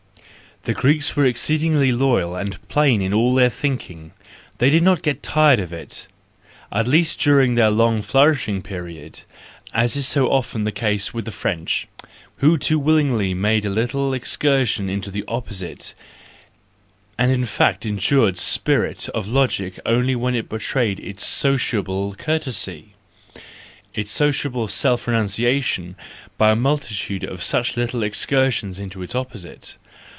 —The Greeks were exceed¬ ingly logical and plain in all their thinking; they did not get tired of it, at least during their long flourishing period, as is so often the case with the French; who too willingly made a little excursion into the opposite, and in fact endure the spirit of logic only when it betrays its sociable courtesy, its sociable self renunciation, by a multitude of such little excursions into its opposite.